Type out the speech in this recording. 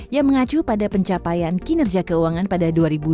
yang mengacu pada pencapaian kinerja keuangan pada dua ribu dua puluh